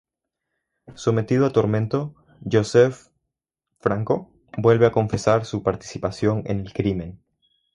Sometido a tormento, Yosef Franco vuelve a confesar su participación en el crimen".